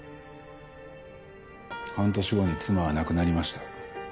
半年後に妻は亡くなりました。